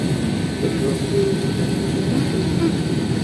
stroke کی چھٹنی کی ترتیب